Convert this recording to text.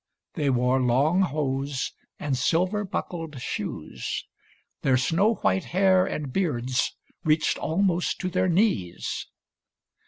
They wore long hose and silver buckled shoes. Their snow white hair and beards reached almost to their knees.